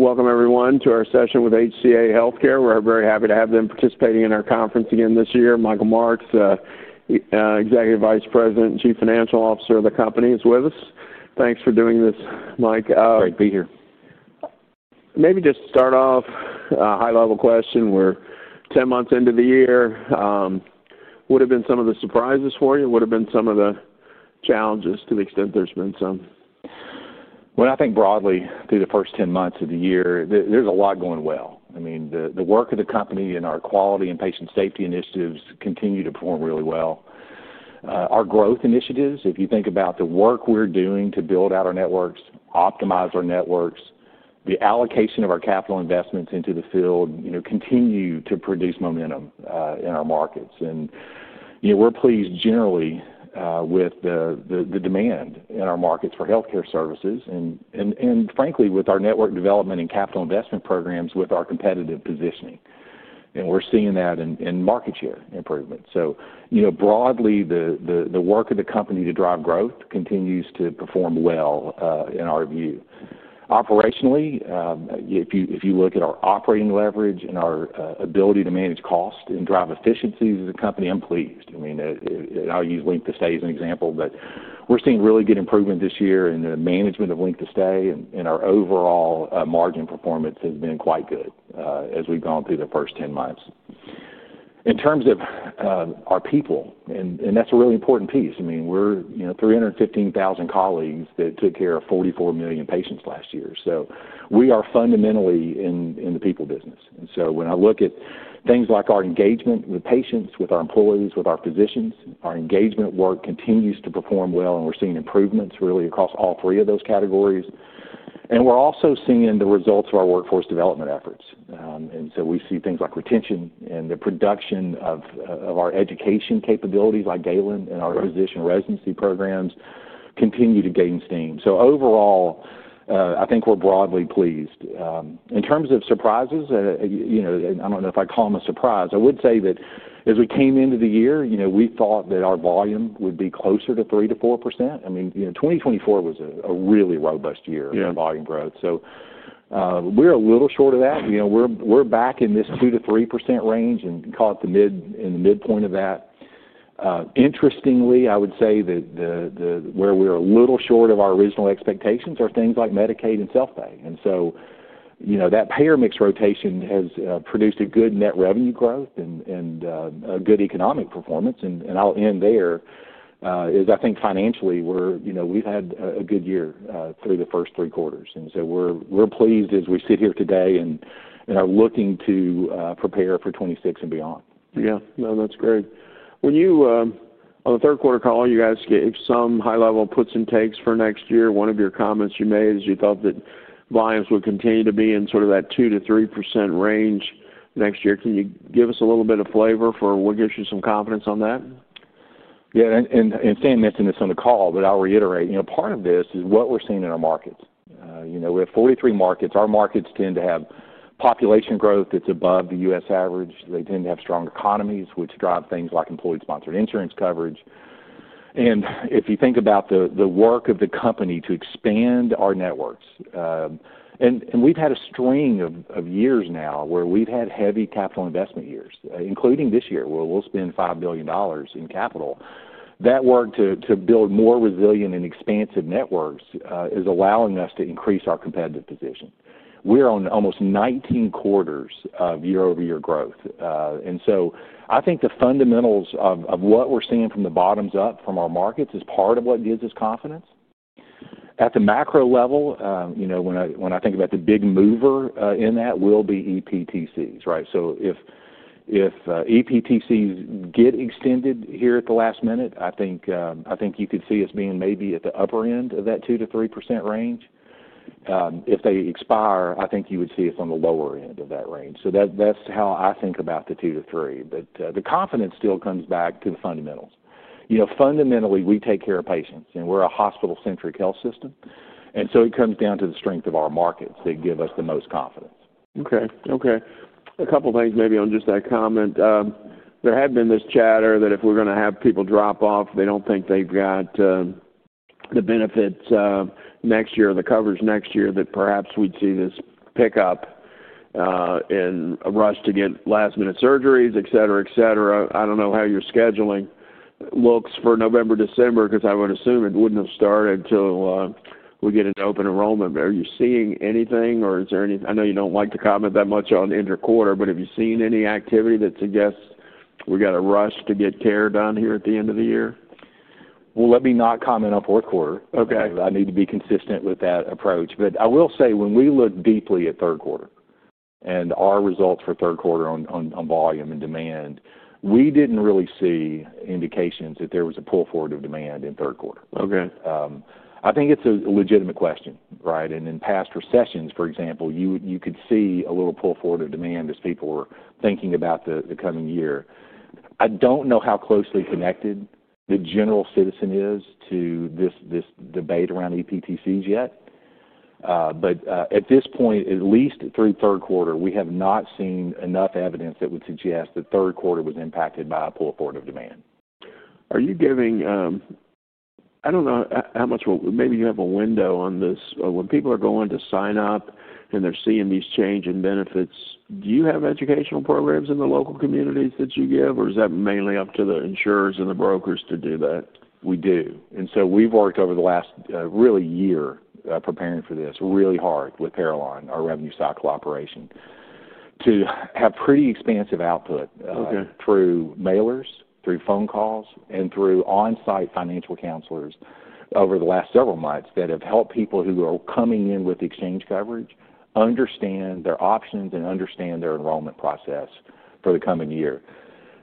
Welcome, everyone to our session with HCA Healthcare. We're very happy to have them participating in our conference again this year. Michael Marks, Executive Vice President and Chief Financial Officer of the company, is with us. Thanks for doing this, Mike. Great to be here. Maybe just to start off, a high-level question. We're 10 months into the year. What have been some of the surprises for you? What have been some of the challenges, to the extent there's been some? I think broadly, through the first 10 months of the year, there's a lot going well. I mean, the work of the company and our quality and patient safety initiatives continue to perform really well. Our growth initiatives, if you think about the work we're doing to build out our networks, optimize our network. The allocation of our capital investments into the field continue to produce momentum in our markets. We're pleased generally, with the demand in our markets for healthcare services and frankly with our network development, and capital investment programs with our competitive positioning. We're seeing that in market share improvement. Broadly, the work of the company to drive growth continues to perform well in our view. Operationally, if you look at our operating leverage and our ability to manage cost and drive efficiencies as a company, I'm pleased. I mean, I'll use length of stay as an example, but we're seeing really good improvement this year in the management of length of stay and our overall margin performance has been quite good as we've gone through the first 10 months. In terms of our people, and that's a really important piece, I mean, we're 315,000 colleagues that took care of 44 million patients last year. We are fundamentally in the people business. When I look at things like our engagement with patients, with our employees, with our physicians, our engagement work continues to perform well and we're seeing improvements really across all three of those categories. We're also seeing the results of our workforce development efforts. We see things like retention and the production of our education capabilities, like Galen and our physician residency programs continue to gain steam. Overall, I think we're broadly pleased. In terms of surprises, and I don't know if I'd call them a surprise, I would say that as we came into the year, we thought that our volume would be closer to 3%-4%. I mean, 2024 was a really robust year in volume growth. We're a little short of that. We're back in this 2%-3% range, and caught in the midpoint of that. Interestingly, I would say that where we're a little short of our original expectations are things like Medicaid and self-pay. That payer mix rotation has produced a good net revenue growth and a good economic performance. I'll end there. I think financially, we've had a good year through the first three quarters. We're pleased as we sit here today, and are looking to prepare for 2026 and beyond. Yeah. No, that's great. On the third quarter call, you guys gave some high-level puts and takes for next year. One of your comments you made is you thought that volumes would continue to be in sort of that 2%-3% range next year. Can you give us a little bit of flavor for what gives you some confidence on that? Yeah. Saying this on the call, but I'll reiterate, part of this is what we're seeing in our markets. We have 43 markets. Our markets tend to have population growth that's above the U.S. average. They tend to have strong economies, which drive things like employee-sponsored insurance coverage. If you think about the work of the company to expand our networks, and we've had a string of years now where we've had heavy capital investment years, including this year, where we'll spend $5 billion in capital. That work to build more resilient and expansive networks is allowing us to increase our competitive position. We're on almost 19 quarters of year-over-year growth. I think the fundamentals of what we're seeing from the bottoms up from our markets is part of what gives us confidence. At the macro level, when I think about the big mover in that, will be ePTCs, right? If ePTCs get extended here at the last minute, I think you could see us being maybe at the upper end of that 2%-3% range. If they expire, I think you would see us on the lower end of that range. That's how I think about the 2%-3%. The confidence still comes back to the fundamentals. Fundamentally, we take care of patients, and we're a hospital-centric health system. It comes down to the strength of our markets, they give us the most confidence. Okay. A couple of things maybe on just that comment. There had been this chatter that if we're going to have people drop off, they don't think they've got the benefits next year or the coverage next year, that perhaps we'd see this pickup in a rush to get last-minute surgeries, etc., etc. I don't know how your scheduling looks for November, December, because I would assume it wouldn't have started until we get an open enrollment. Are you seeing anything? I know you don't like to comment that much on interquarter, but have you seen any activity that suggests we've got a rush to get care done here at the end of the year? Let me not comment on fourth quarter. I need to be consistent with that approach. I will say, when we look deeply at third quarter and our results for third quarter on volume and demand, we didn't really see indications that there was a pull forward of demand in third quarter. I think it's a legitimate question, right? In past recessions, for example, you could see a little pull forward of demand as people were thinking about the coming year. I do not know how closely connected the general citizen is to this debate around ePTCs yet. At this point, at least through third quarter, we have not seen enough evidence that would suggest that third quarter was impacted by a pull forward of demand. I don't know how much, maybe you have a window on this. When people are going to sign up and they're seeing these change in benefits, do you have educational programs in the local communities that you give or is that mainly up to the insurers and the brokers to do that? We do. We've worked over the last really a year preparing for this really hard with Caroline, our revenue cycle operation, to have pretty expansive output through mailers, through phone calls, and through on-site financial counselors over the last several months, that have helped people who are coming in with exchange coverage understand their options and understand their enrollment process for the coming year.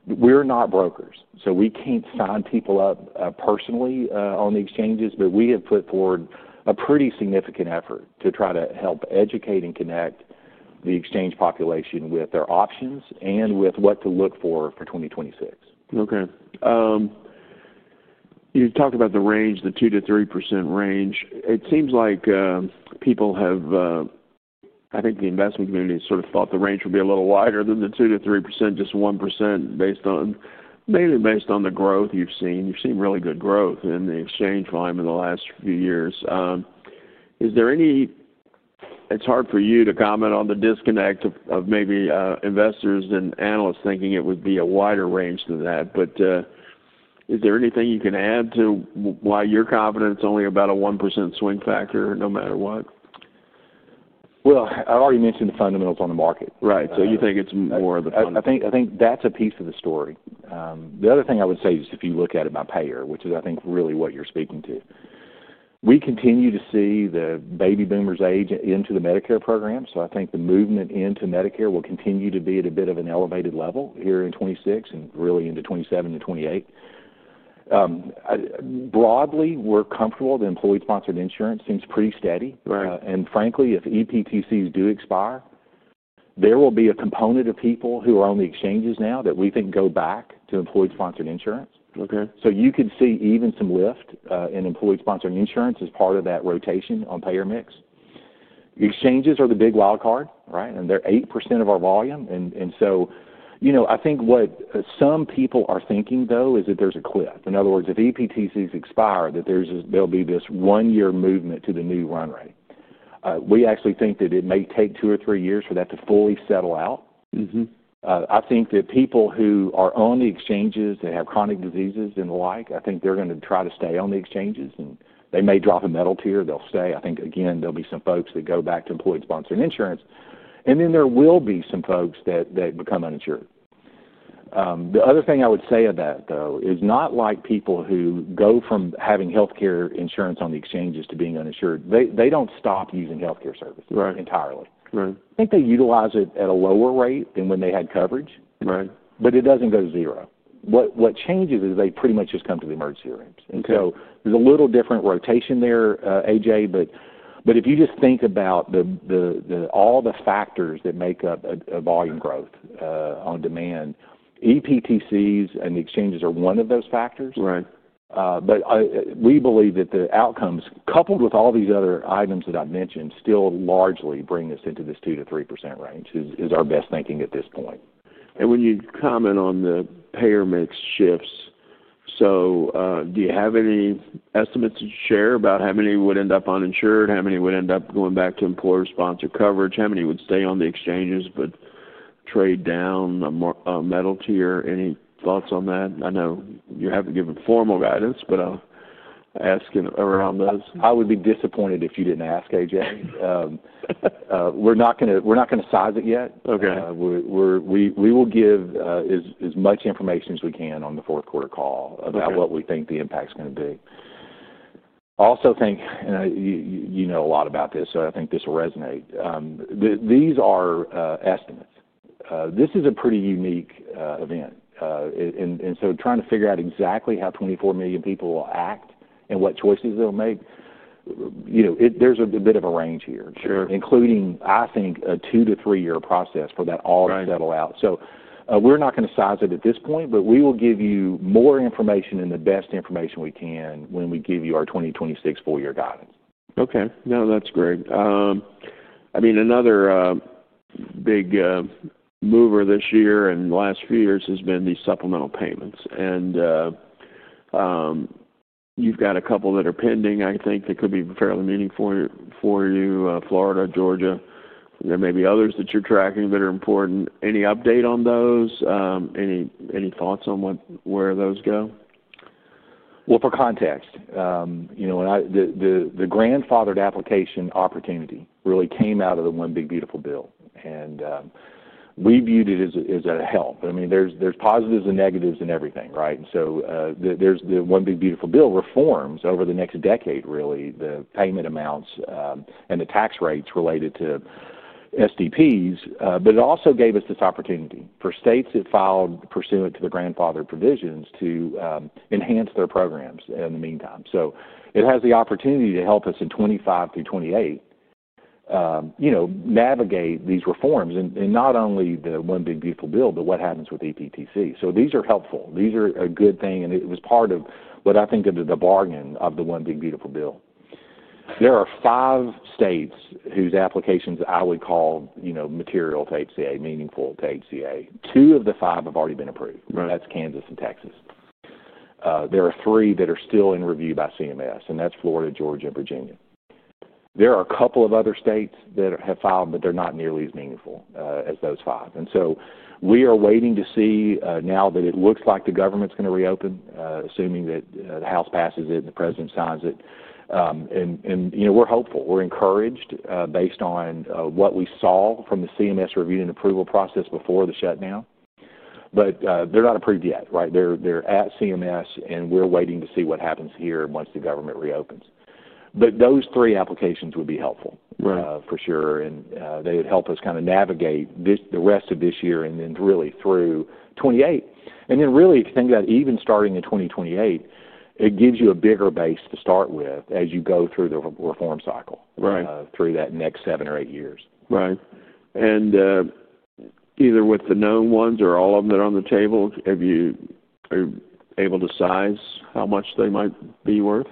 We are not brokers, so we cannot sign people up personally on the exchanges, but we have put forward a pretty significant effort to try to help educate and connect the exchange population with their options and with what to look for 2026. Okay. You talked about the 2%-3% range. I think the investment community has sort of thought the range would be a little wider than the 2%-3%, just 1%, mainly based on the growth you've seen. You've seen really good growth in the exchange volume in the last few years. It's hard for you to comment on the disconnect of maybe investors and analysts thinking it would be a wider range than that, but is there anything you can add to why your confidence is only about a 1% swing factor no matter what? I've already mentioned the fundamentals on the market. Right, so you think it's more of the [fundamentals]? I think that's a piece of the story. The other thing I would say is, if you look at it by payer, which is I think really what you're speaking to, we continue to see the baby boomers age into the Medicare program. I think the movement into Medicare will continue to be at a bit of an elevated level here in 2026, and really into 2027 and 2028. Broadly, we're comfortable. The employee-sponsored insurance seems pretty steady. Frankly, if ePTCs do expire, there will be a component of people who are on the exchanges now that we think go back to employee-sponsored insurance. You could see even some lift in employee-sponsored insurance as part of that rotation on payer mix. Exchanges are the big wild card, right? They're 8% of our volume. I think what some people are thinking though, is that there's a cliff. In other words, if ePTCs expire, there will be this one-year movement to the new run rate. We actually think that it may take two or three years for that to fully settle out. I think that people who are on the exchanges that have chronic diseases and the like, I think they're going to try to stay on the exchanges and they may drop a medal tier. They'll stay. I think again, there will be some folks that go back to employee-sponsored insurance. There will be some folks that become uninsured. The other thing I would say of that though, is not like people who go from having healthcare insurance on the exchanges to being uninsured. They do not stop using healthcare services entirely. I think they utilize it at a lower rate than when they had coverage, but it doesn't go to zero. What changes is they pretty much just come to the emergency rooms. There's a little different rotation there, AJ, but if you just think about all the factors that make up volume growth on demand, ePTCs and the exchanges are one of those factors. We believe that the outcomes, coupled with all these other items that I've mentioned, still largely bring us into this 2%-3% range, is our best thinking at this point. When you comment on the payer mix shifts, so do you have any estimates to share about how many would end up uninsured, how many would end up going back to employer-sponsored coverage, how many would stay on the exchanges but trade down a medal tier? Any thoughts on that? I know you haven't given formal guidance, but I'll ask around those. I would be disappointed if you didn't ask, AJ. We are not going to size it yet. We will give as much information as we can on the fourth quarter call about what we think the impact is going to be. Also, I think, and you know a lot about this, so I think this will resonate. These are estimates. This is a pretty unique event. Trying to figure out exactly how 24 million people will act and what choices they will make, there is a bit of a range here, including, I think a two- to three-year process for that all to settle out. We are not going to size it at this point, but we will give you more information and the best information we can when we give you our 2026 full-year guidance. Okay. No, that's great. I mean, another big mover this year and the last few years has been these supplemental payments. You've got a couple that are pending, I think that could be fairly meaningful for you, Florida, Georgia. There may be others that you're tracking that are important, any update on those? Any thoughts on where those go? For context, the grandfathered application opportunity really came out of the One Big Beautiful Bill. I mean, there are positives and negatives in everything, right? The One Big Beautiful Bill reforms over the next decade, really the payment amounts and the tax rates related to SDPs. It also gave us this opportunity for states that filed pursuant to the grandfathered provisions, to enhance their programs in the meantime. It has the opportunity to help us in 2025 through 2028 navigate these reforms in not only the One Big Beautiful Bill, but what happens with ePTC. These are helpful. These are a good thing. It was part of what I think of as the bargain of the One Big Beautiful Bill. There are five states whose applications I would call material to HCA, meaningful to HCA. Two of the five have already been approved, and that's Kansas and Texas. There are three that are still in review by CMS, and that's Florida, Georgia, and Virginia. There are a couple of other states that have filed, but they're not nearly as meaningful as those five. We are waiting to see now that it looks like the government's going to reopen, assuming that the House passes it and the president signs it. We're hopeful. We're encouraged based on what we saw from the CMS review and approval process before the shutdown. They're not approved yet, right? They're at CMS, and we're waiting to see what happens here once the government reopens. Those three applications would be helpful for sure. They would help us kind of navigate the rest of this year and then really through 2028. If you think about even starting in 2028, it gives you a bigger base to start with as you go through the reform cycle through that next seven or eight years. Right, and either with the known ones or all of them that are on the table, have you been able to size how much they might be worth?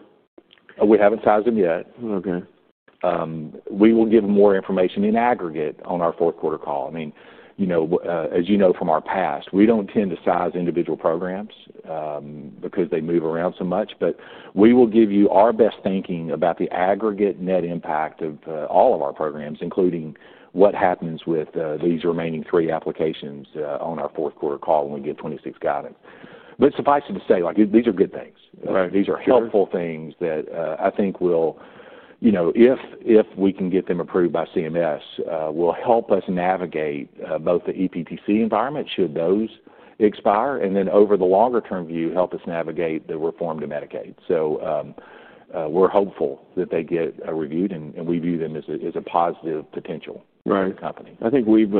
We haven't sized them yet. We will give more information in aggregate on our fourth quarter call. I mean, as you know from our past, we don't tend to size individual programs because they move around so much. We will give you our best thinking about the aggregate net impact of all of our programs, including what happens with these remaining three applications on our fourth quarter call when we give 2026 guidance. Suffice it to say, these are good things. These are helpful things that I think will, if we can get them approved by CMS, help us navigate both the ePTC environment should those expire, and then over the longer-term view, help us navigate the reform to Medicaid. We're hopeful that they get reviewed, and we view them as a positive potential for the company. I think we've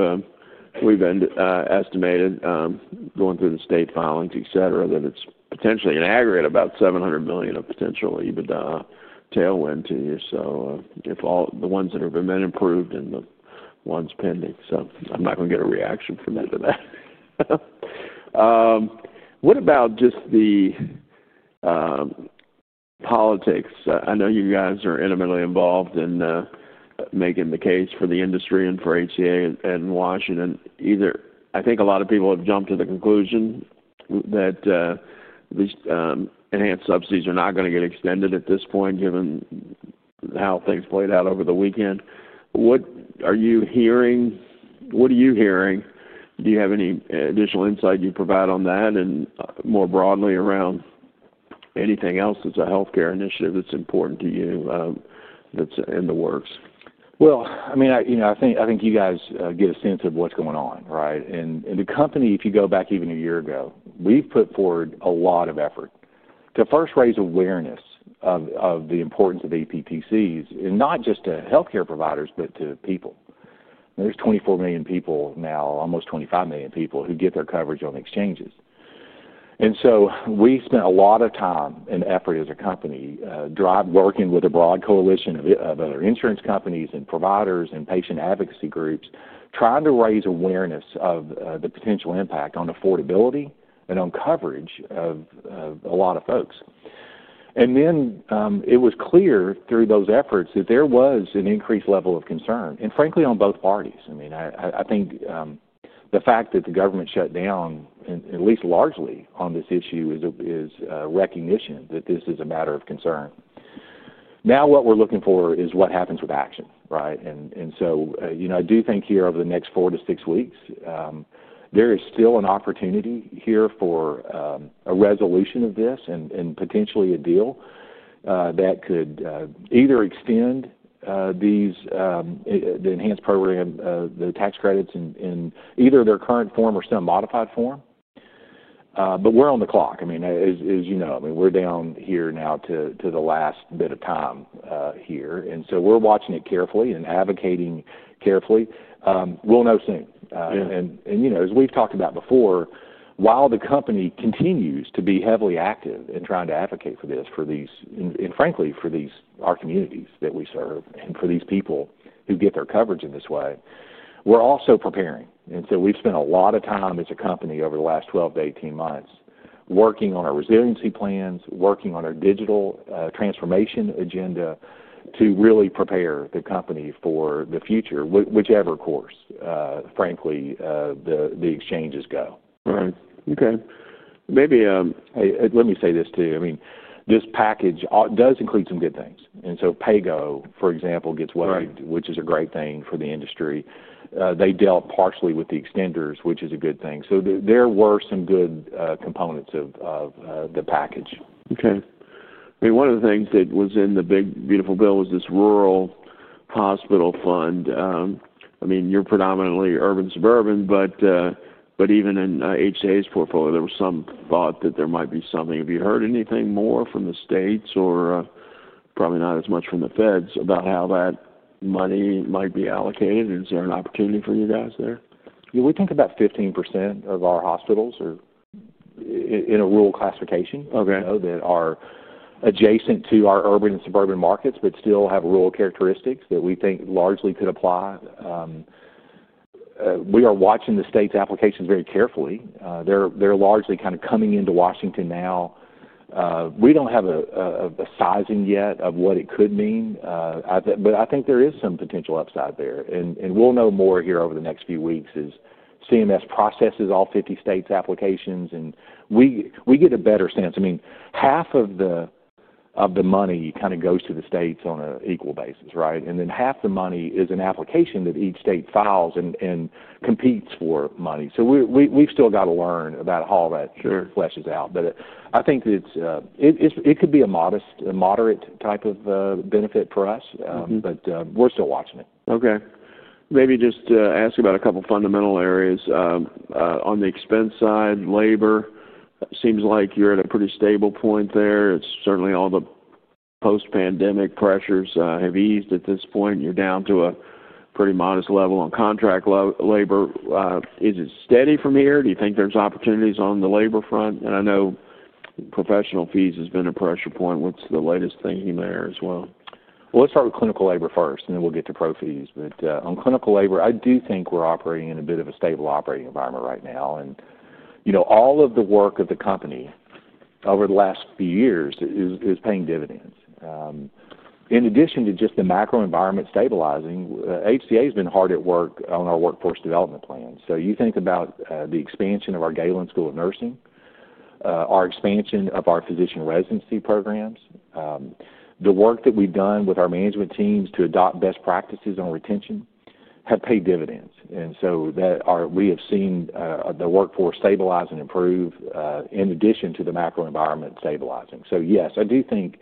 estimated, going through the state filings, etc., that it's potentially in aggregate about $700 million of potential EBITDA tailwind to you. The ones that have been approved and the ones pending. I'm not going to get a reaction from any of that. What about just the politics? I know you guys are intimately involved in making the case for the industry and for HCA in Washington. I think a lot of people have jumped to the conclusion that these enhanced subsidies are not going to get extended at this point, given how things played out over the weekend. What are you hearing? Do you have any additional insight you provide on that? More broadly, around anything else that's a healthcare initiative that's important to you that's in the works? I mean, I think you guys get a sense of what's going on, right? The company, if you go back even a year ago, we've put forward a lot of effort to first raise awareness of the importance of ePTCs, and not just to healthcare providers, but to people. There are 24 million people now, almost 25 million people, who get their coverage on exchanges. We spent a lot of time and effort as a company working with a broad coalition of other insurance companies and providers, and patient advocacy groups, trying to raise awareness of the potential impact on affordability and on coverage of a lot of folks. It was clear through those efforts that there was an increased level of concern and frankly, on both parties. I mean, I think the fact that the government shut down, at least largely on this issue, is recognition that this is a matter of concern. Now what we're looking for is what happens with action, right? I do think here over the next four to six weeks, there is still an opportunity here for a resolution of this and potentially a deal that could either extend the enhanced program, the tax credits in either their current form or some modified form. We're on the clock. I mean, as you know, I mean, we're down here now to the last bit of time here. We're watching it carefully and advocating carefully. We'll know soon. As we have talked about before, while the company continues to be heavily active in trying to advocate for this, and frankly for our communities that we serve and for these people who get their coverage in this way, we are also preparing. We have spent a lot of time as a company over the last 12-18 months working on our resiliency plans, working on our digital transformation agenda to really prepare the company for the future, whichever course, frankly the exchanges go. Right, okay. Let me say this too. I mean, this package does include some good things. PAYGO, for example, gets waived, which is a great thing for the industry. They dealt partially with the extenders, which is a good thing. There were some good components of the package. Okay. I mean, one of the things that was in the One Big Beautiful Bill was this rural hospital fund. I mean, you're predominantly urban-suburban, but even in HCA's portfolio, there was some thought that there might be something. Have you heard anything more from the states or probably not as much from the feds, about how that money might be allocated? Is there an opportunity for you guys there? Yeah. We think about 15% of our hospitals are in a rural classification, that are adjacent to our urban and suburban markets, but still have rural characteristics that we think largely could apply. We are watching the state's applications very carefully. They're largely kind of coming into Washington now. We do not have a sizing yet of what it could mean. I think there is some potential upside there. We will know more here over the next few weeks as CMS processes all 50 states' applications, and we get a better sense. I mean, half of the money kind of goes to the states on an equal basis, right? Half the money is an application that each state files and competes for money. We have still got to learn about how all that fleshes out. I think it could be a moderate type of benefit for us, but we're still watching it. Okay. Maybe just to ask about a couple of fundamental areas. On the expense side, labor, it seems like you're at a pretty stable point there. Certainly, all the post-pandemic pressures have eased at this point. You're down to a pretty modest level on contract labor. Is it steady from here? Do you think there's opportunities on the labor front? I know professional fees have been a pressure point. What's the latest thinking there as well? Let's start with clinical labor first, and then we'll get to pro fees. On clinical labor, I do think we're operating in a bit of a stable operating environment right now. All of the work of the company over the last few years is paying dividends. In addition to just the macro environment stabilizing, HCA has been hard at work on our workforce development plan. You think about the expansion of our Galen College of Nursing, our expansion of our physician residency programs, the work that we've done with our management teams to adopt best practices on retention have paid dividends. We have seen the workforce stabilize and improve in addition to the macro environment stabilizing. Yes, I do think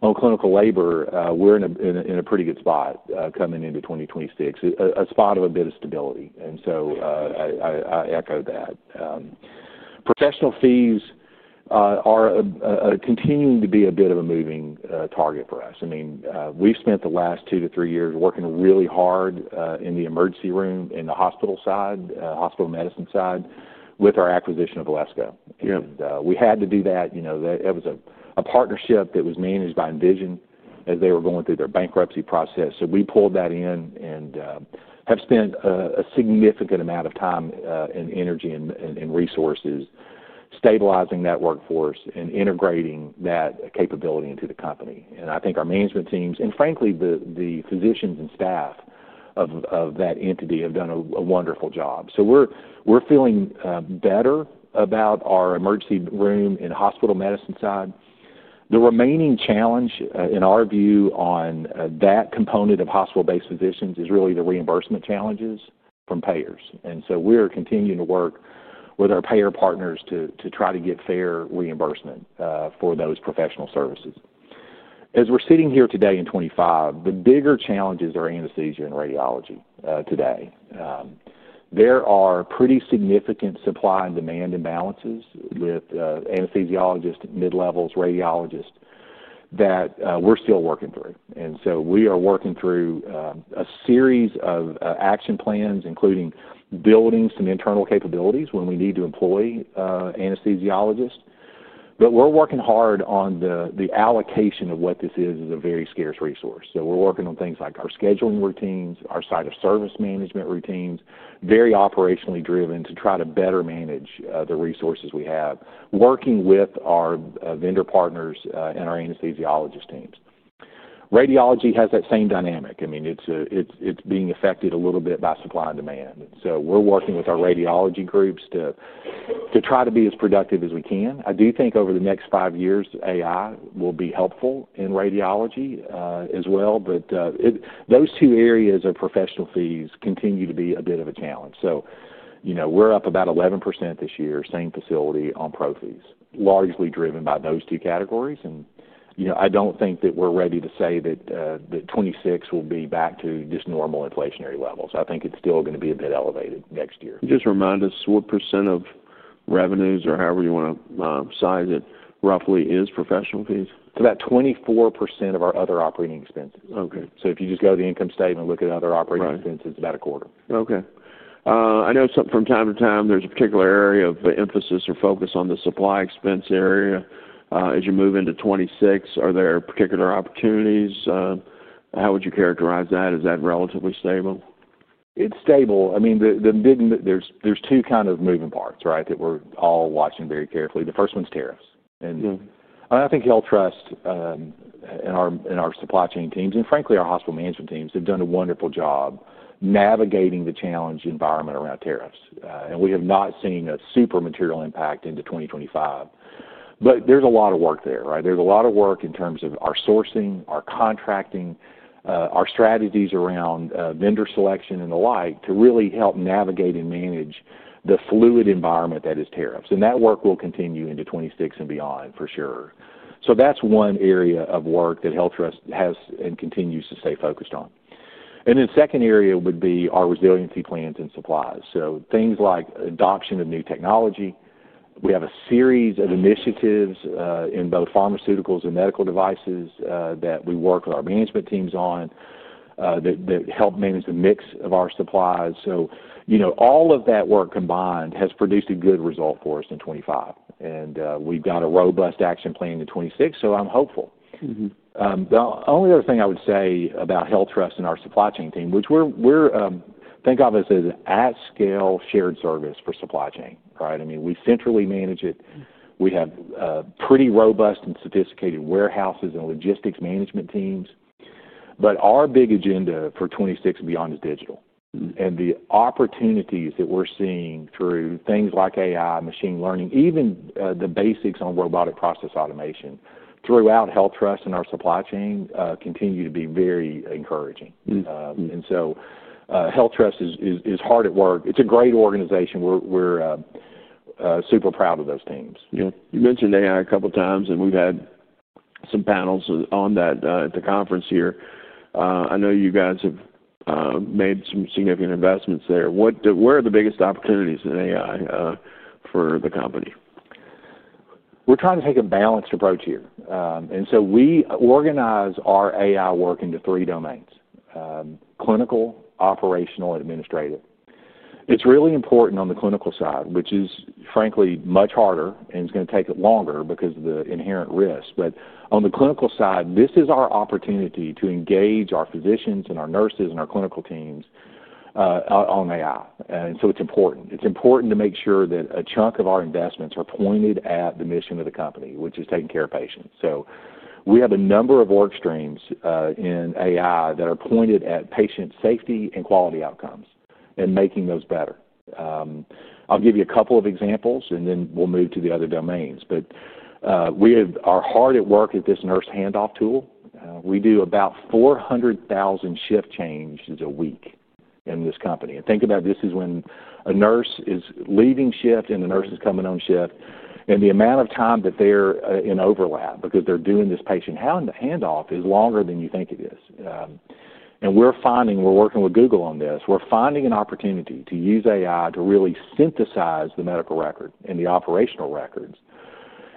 on clinical labor, we're in a pretty good spot coming into 2026, a spot of a bit of stability, so I echo that. Professional fees are continuing to be a bit of a moving target for us. I mean, we've spent the last two to three years working really hard in the emergency room, in the hospital side, hospital medicine side, with our acquisition of Valesco. We had to do that. That was a partnership that was managed by Envision as they were going through their bankruptcy process. We pulled that in and have spent a significant amount of time and energy, and resources stabilizing that workforce and integrating that capability into the company. I think our management teams, and frankly the physicians and staff of that entity have done a wonderful job. We're feeling better about our emergency room and hospital medicine side. The remaining challenge, in our view, on that component of hospital-based physicians is really the reimbursement challenges from payers. We're continuing to work with our payer partners to try to get fair reimbursement for those professional services. As we're sitting here today in 2025, the bigger challenges are anesthesia and radiology today. There are pretty significant supply and demand imbalances with anesthesiologists, mid-levels, radiologists that we're still working through. We are working through a series of action plans, including building some internal capabilities when we need to employ anesthesiologists. We're working hard on the allocation of what this is as a very scarce resource. We're working on things like our scheduling routines, our site of service management routines, very operationally driven to try to better manage the resources we have, working with our vendor partners and our anesthesiologist teams. Radiology has that same dynamic. I mean, it's being affected a little bit by supply and demand. We're working with our radiology groups to try to be as productive as we can. I do think over the next five years, AI will be helpful in radiology as well. Those two areas of professional fees continue to be a bit of a challenge. We're up about 11% this year, same facility on pro fees, largely driven by those two categories. I don't think that we're ready to say that 2026 will be back to just normal inflationary levels. I think it's still going to be a bit elevated next year. Just remind us, what percent of revenues or however you want to size it roughly is professional fees? It's about 24% of our other operating expenses. Okay. If you just go to the income statement, look at other operating expenses, it's about a quarter. Okay. I know from time to time, there's a particular area of emphasis or focus on the supply expense area. As you move into 2026, are there particular opportunities? How would you characterize that? Is that relatively stable? It's stable. I mean, there's two kind of moving parts, that we're all watching very carefully. The first one's tariffs. I think HealthTrust and our supply chain teams, and frankly our hospital management teams, have done a wonderful job navigating the challenge environment around tariffs. We have not seen a super material impact into 2025. There's a lot of work there, right? There's a lot of work in terms of our sourcing, our contracting, our strategies around vendor selection and the like, to really help navigate and manage the fluid environment that is tariffs. That work will continue into 2026 and beyond for sure. That's one area of work that HealthTrust has and continues to stay focused on. The second area would be our resiliency plans and supplies, so things like adoption of new technology. We have a series of initiatives in both pharmaceuticals and medical devices that we work with our management teams on, that help manage the mix of our supplies. All of that work combined has produced a good result for us in 2025. We got a robust action plan in 2026, so I'm hopeful. The only other thing I would say about HealthTrust and our supply chain team, which we think of as an at-scale shared service for supply chain, right? I mean, we centrally manage it. We have pretty robust and sophisticated warehouses and logistics management teams. Our big agenda for 2026 and beyond is digital. The opportunities that we're seeing through things like AI, machine learning, even the basics on robotic process automation throughout HealthTrust and our supply chain continue to be very encouraging. HealthTrust is hard at work. It's a great organization. We're super proud of those teams. Yeah. You mentioned AI a couple of times, and we've had some panels on that at the conference here. I know you guys have made some significant investments there. Where are the biggest opportunities in AI for the company? We're trying to take a balanced approach here. We organize our AI work into three domains, clinical, operational, and administrative. It's really important on the clinical side, which is frankly much harder and is going to take longer because of the inherent risks. On the clinical side, this is our opportunity to engage our physicians and our nurses and our clinical teams on AI, so it's important. It's important to make sure that a chunk of our investments are pointed at the mission of the company, which is taking care of patients. We have a number of work streams in AI that are pointed at patient safety, and quality outcomes and making those better. I'll give you a couple of examples, and then we'll move to the other domains. We are hard at work at this nurse handoff tool. We do about 400,000 shift changes a week in this company. Think about this as when a nurse is leaving shift and a nurse is coming on shift. The amount of time that they're in overlap, because they're doing this patient handoff is longer than you think it is. We're working with Google on this. We're finding an opportunity to use AI to really synthesize the medical record and the operational records,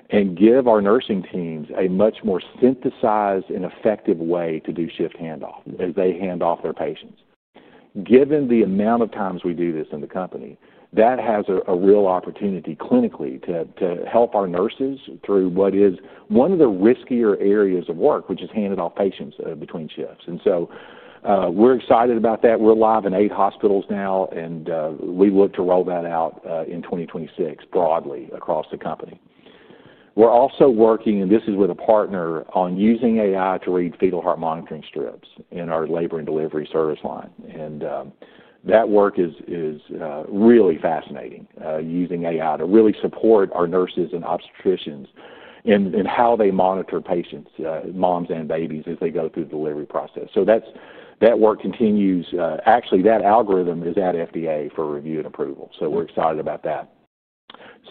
and give our nursing teams a much more synthesized and effective way to do shift handoff as they hand off their patients. Given the amount of times we do this in the company, that has a real opportunity clinically to help our nurses through what is one of the riskier areas of work, which is handing off patients between shifts. We are excited about that. We're live in eight hospitals now, and we look to roll that out in 2026 broadly across the company. We're also working, and this is with a partner, on using AI to read fetal heart monitoring strips in our labor and delivery service line. That work is really fascinating, using AI to really support our nurses and obstetricians in how they monitor patients, moms and babies as they go through the delivery process. That work continues. Actually, that algorithm is at FDA for review and approval, so we're excited about that.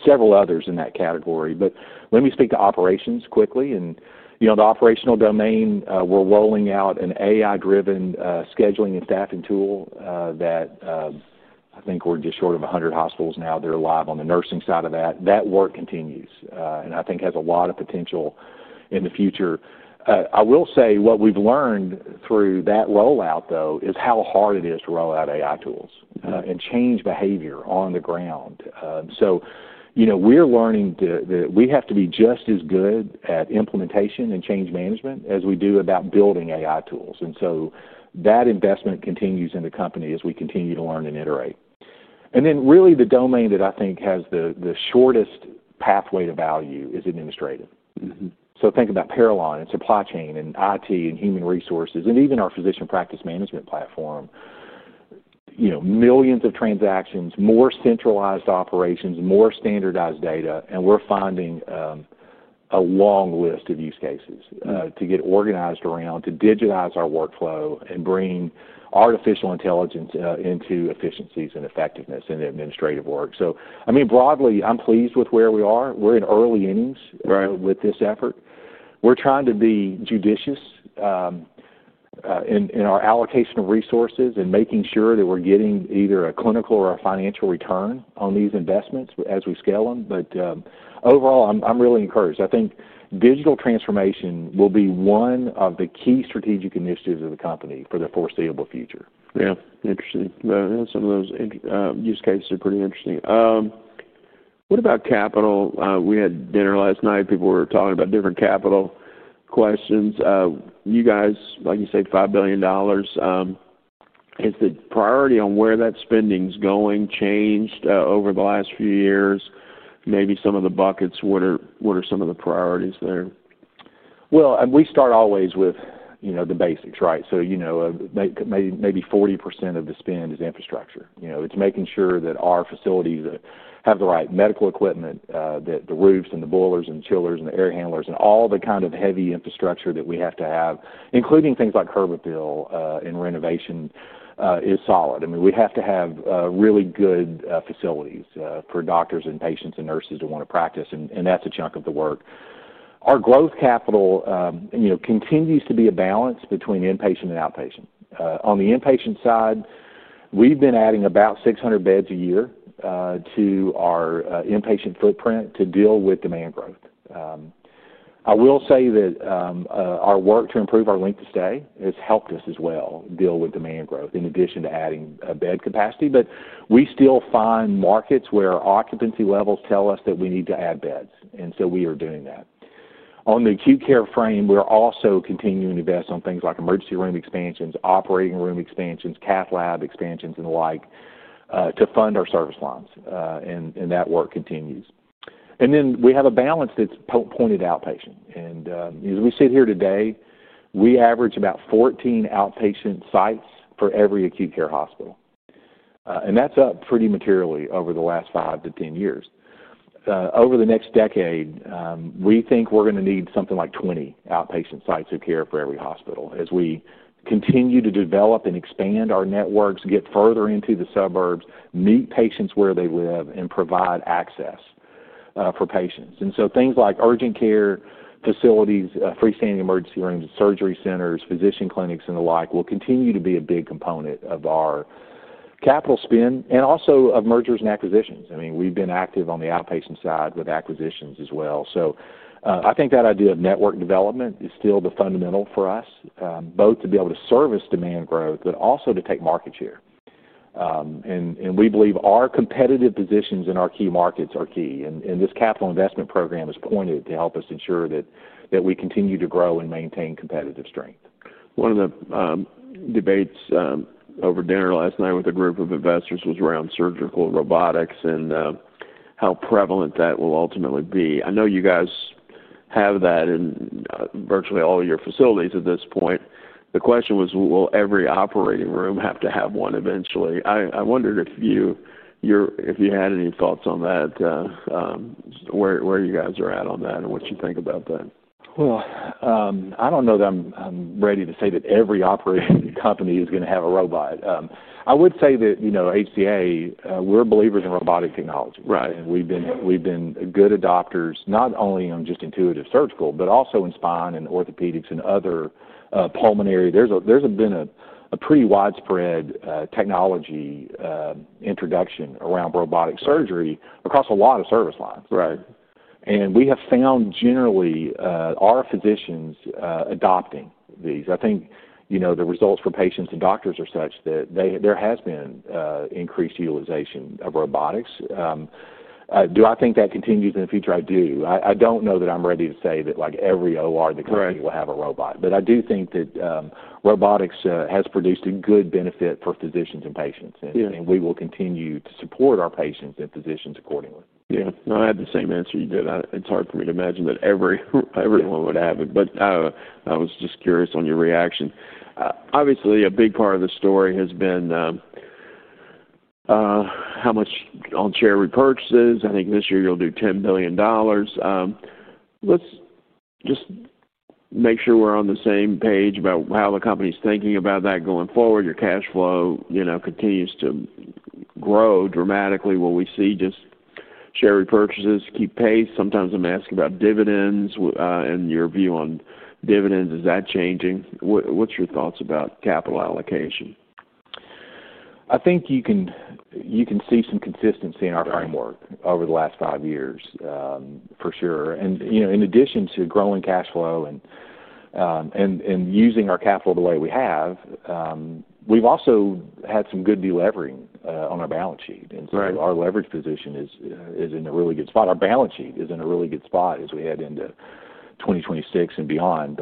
Several others in that category. Let me speak to operations quickly. In the operational domain, we're rolling out an AI-driven scheduling and staffing tool that I think we're just short of 100 hospitals now. They're live on the nursing side of that. That work continues, and I think has a lot of potential in the future. I will say what we've learned through that rollout though, is how hard it is to roll out AI tools and change behavior on the ground. We're learning that we have to be just as good at implementation and change management as we do about building AI tools. That investment continues in the company as we continue to learn and iterate. Really, the domain that I think has the shortest pathway to value is administrative, so think about Parallon and supply chain, and IT and human resources and even our physician practice management platform. Millions of transactions, more centralized operations, more standardized data. We're finding a long list of use cases to get organized around, to digitize our workflow and bring artificial intelligence into efficiencies and effectiveness in the administrative work. I mean, broadly, I'm pleased with where we are. We're in early innings with this effort. We're trying to be judicious in our allocation of resources, and making sure that we're getting either a clinical or a financial return on these investments as we scale them. Overall, I'm really encouraged. I think digital transformation will be one of the key strategic initiatives of the company for the foreseeable future. Yeah, interesting. Some of those use cases are pretty interesting. What about capital? We had dinner last night. People were talking about different capital questions. You guys, like you said, $5 billion. Has the priority on where that spending's going changed over the last few years? Maybe some of the buckets, what are some of the priorities there? We start always with the basics, right? Maybe 40% of the spend is infrastructure. It's making sure that our facilities have the right medical equipment, that the roofs and the boilers and the chillers and the air handlers, and all the kind of heavy infrastructure that we have to have, including things like curb appeal and renovation, is solid. I mean, we have to have really good facilities for doctors and patients and nurses to want to practice. That is a chunk of the work. Our growth capital continues to be a balance between inpatient and outpatient. On the inpatient side, we've been adding about 600 beds a year to our inpatient footprint to deal with demand growth. I will say that our work to improve our length of stay has helped us as well deal with demand growth, in addition to adding bed capacity. We still find markets where occupancy levels tell us that we need to add beds, and so we are doing that. On the acute care frame, we're also continuing to invest on things like emergency room expansions, operating room expansions, cath lab expansions, and the like to fund our service lines. That work continues. We have a balance, that's pointed outpatient. As we sit here today, we average about 14 outpatient sites for every acute care hospital. That's up pretty materially over the last 5 to 10 years. Over the next decade, we think we're going to need something like 20 outpatient sites of care for every hospital, as we continue to develop and expand our networks, get further into the suburbs, meet patients where they live and provide access for patients. Things like urgent care facilities, freestanding emergency rooms, surgery centers, physician clinics, and the like will continue to be a big component of our capital spend and also of mergers and acquisitions. I mean, we've been active on the outpatient side with acquisitions as well. I think that idea of network development is still the fundamental for us, both to be able to service demand growth, but also to take market share. We believe our competitive positions in our key markets are key. This capital investment program is pointed to help us ensure that we continue to grow and maintain competitive strength. One of the debates over dinner last night with a group of investors was around surgical robotics, and how prevalent that will ultimately be. I know you guys have that in virtually all your facilities at this point. The question was, will every operating room have to have one eventually? I wondered if you had any thoughts on that, where you guys are at on that and what you think about that. I don't know that I'm ready to say that every operating company is going to have a robot. I would say that at HCA, we're believers in robotic technology. We've been good adopters not only on just Intuitive Surgical, but also in spine and orthopedics and other pulmonary. There's been a pretty widespread technology introduction around robotic surgery across a lot of service lines. We have found generally our physicians adopting these. I think the results for patients and doctors are such that there has been increased utilization of robotics. Do I think that continues in the future? I do. I don't know that I'm ready to say that every OR in the country will have a robot. I do think that robotics has produced a good benefit for physicians and patients, and we will continue to support our patients and physicians accordingly. Yeah. No, I had the same answer you did. It's hard for me to imagine that everyone would have it. I was just curious on your reaction. Obviously, a big part of the story has been how much on charity purchases. I think this year you'll do $10 billion. Let's just make sure we're on the same page about how the company's thinking about that going forward. Your cash flow continues to grow dramatically. Will we see just charity purchases keep pace? Sometimes I'm asking about dividends. Your view on dividends, is that changing? What's your thoughts about capital allocation? I think you can see some consistency in our framework over the last five years for sure. In addition to growing cash flow and using our capital the way we have, we've also had some good delivery on our balance sheet. Our leverage position is in a really good spot. Our balance sheet is in a really good spot as we head into 2026 and beyond.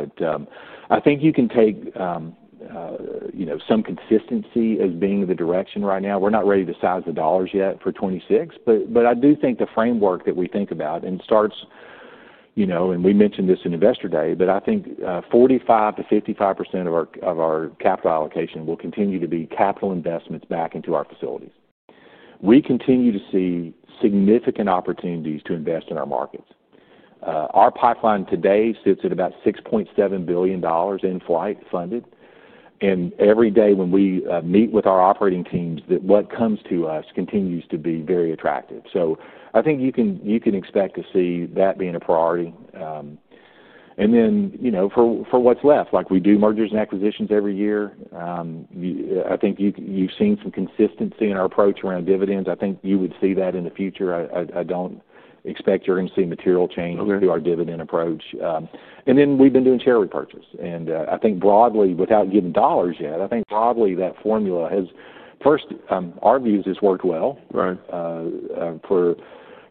I think you can take some consistency as being the direction right now. We're not ready to size the dollars yet for 2026. I do think the framework that we think about and starts, and we mentioned this in Investor Day, but I think 45%-55% of our capital allocation will continue to be capital investments back into our facilities. We continue to see significant opportunities to invest in our markets. Our pipeline today sits at about $6.7 billion in flight funded. Every day when we meet with our operating teams, what comes to us continues to be very attractive. I think you can expect to see that being a priority. For what's left, we do mergers and acquisitions every year. I think you've seen some consistency in our approach around dividends. I think you would see that in the future. I don't expect you're going to see material change to our dividend approach. We've been doing share repurchase. I think broadly, without getting dollars yet, I think broadly that formula, first, our views has worked well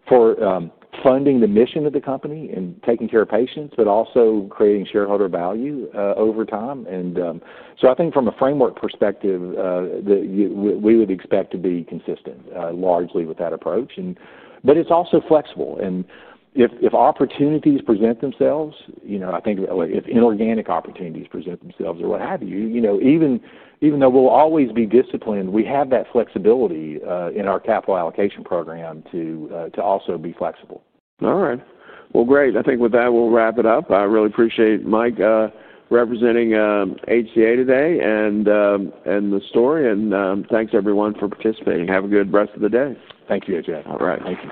for funding the mission of the company and taking care of patients, but also creating shareholder value over time. I think from a framework perspective, we would expect to be consistent largely with that approach. It is also flexible. If opportunities present themselves, I think if inorganic opportunities present themselves or what have you, even though we will always be disciplined, we have that flexibility in our capital allocation program to also be flexible. All right, great. I think with that, we'll wrap it up. I really appreciate Mike representing HCA today and the story. Thanks, everyone for participating. Have a good rest of the day. Thank you, AJ. All right, thank you.